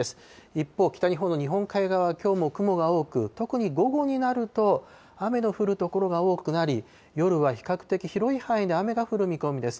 一方、北日本の日本海側はきょうも雲が多く、特に午後になると、雨の降る所が多くなり、夜は比較的広い範囲で雨が降る見込みです。